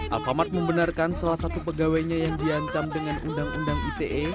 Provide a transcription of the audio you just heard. alfamart membenarkan salah satu pegawainya yang diancam dengan undang undang ite